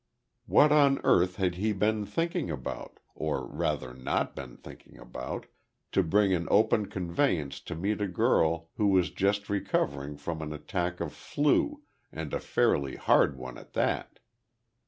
What on earth had he been thinking about or rather not been thinking about to bring an open conveyance to meet a girl who was just recovering from an attack of "flu" and a fairly hard one at that?